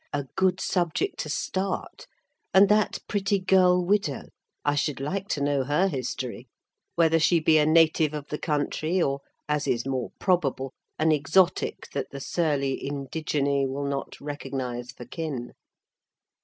"A good subject to start! And that pretty girl widow, I should like to know her history: whether she be a native of the country, or, as is more probable, an exotic that the surly indigenae will not recognise for kin."